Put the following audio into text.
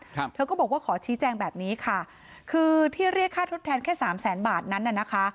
ครับเธอก็บอกว่าขอชี้แจงแบบนี้ค่ะคือที่เรียกค่าทดแทนแค่สามแสนบาทนั้นน่ะนะคะ